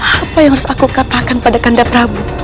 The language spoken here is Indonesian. apa yang harus aku katakan pada kanda prabu